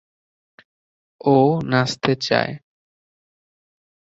ও নাচতে চায়।